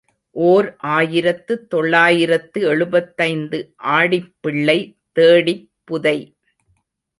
ஓர் ஆயிரத்து தொள்ளாயிரத்து எழுபத்தைந்து ஆடிப் பிள்ளை தேடிப் புதை.